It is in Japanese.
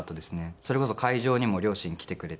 それこそ会場にも両親来てくれて。